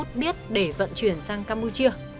lộc đã biết để vận chuyển sang campuchia